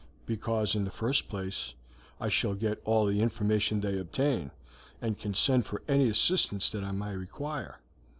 "Because, in the first place, I shall get all the information they obtain, and can send for any assistance that I may require.